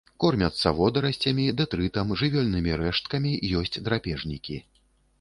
Кормяцца водарасцямі, дэтрытам, жывёльнымі рэшткамі, ёсць драпежнікі.